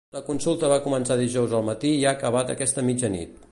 La consulta va començar dijous al matí i ha acabat aquesta mitjanit.